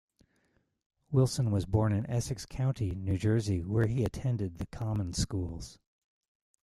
Wilson was born in Essex County, New Jersey, where he attended the common schools.